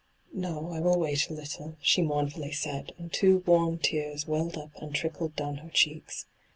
' No, I will wait a little,' she mournfully said, and two warm tears welled up and trickled down her cheeks.